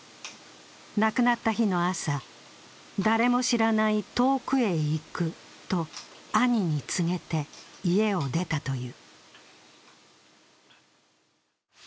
亡くなった日の朝、誰も知らない遠くへ行くと兄に告げて家を出たという。